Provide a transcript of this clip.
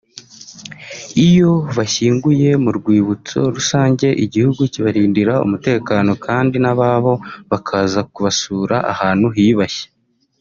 Iyo bashyinguye mu Rwibutso rusange igihugu kibarindira umutekano kandi n’ababo bakaza kubasura ahantu hiyubashye”